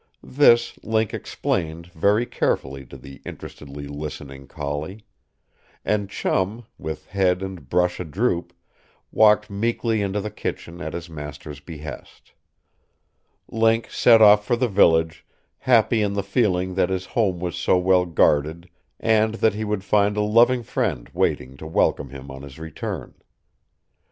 This Link explained very carefully to the interestedly listening collie. And Chum, with head and brush a droop, walked meekly into the kitchen at his master's behest. Link set off for the village, happy in the feeling that his home was so well guarded and that he would find a loving friend waiting to welcome him on his return.